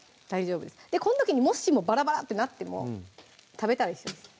この時にもしもバラバラってなっても食べたら一緒です